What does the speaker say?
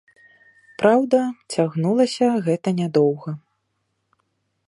Праўда, цягнулася гэта нядоўга.